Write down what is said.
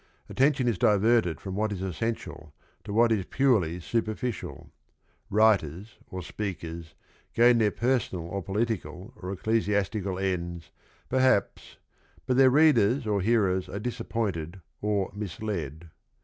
Attention is diverted from what is essential to what is purely superficial. Writers or speakers gain their personal or political or ecclesiastical ends, perhaps, but their readers or hearers are disappointed or misled.